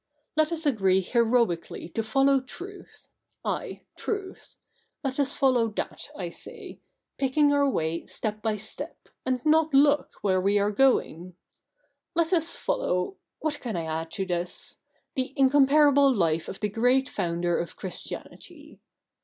Let us agree heroically to follow truth — ay^ truth ; let us follow that, I say, picking our way step by step, and not look where we are going. Let us follow — what can I add to this ?— the incomparable life of the great Founder of Christianity.